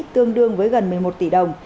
tương đương với gần một mươi một tỷ đồng